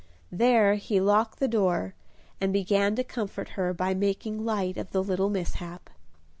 There he locked the door, and began to comfort her by making light of the little mishap.